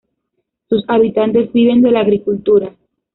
Sus habitantes viven de la agricultura.